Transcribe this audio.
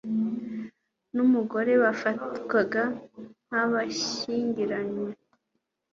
n'umugore bafatwaga nk'a bashyingiranywe